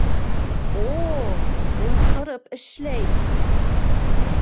— О, ул ҡырып эшләй.